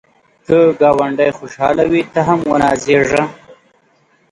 که ګاونډی خوشحال وي، ته هم ونازېږه